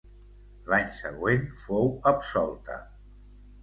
L'any següent fou absolta.